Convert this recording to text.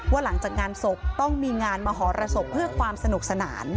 หลังจากงานศพต้องมีงานมหรสบเพื่อความสนุกสนาน